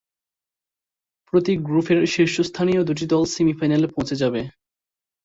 প্রতি গ্রুপের শীর্ষস্থানীয় দু’টি দল সেমি-ফাইনালে পৌঁছে যাবে।